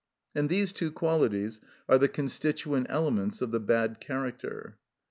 And these two qualities are the constituent elements of the bad character.